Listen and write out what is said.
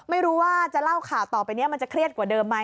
ไม่รู้ว่าจะเล่าข่าวต่อไปนี้มันจะเครียดกว่าเดิมไหม